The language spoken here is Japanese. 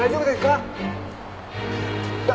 だ。